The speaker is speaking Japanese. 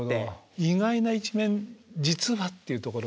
意外な一面実はっていうところに。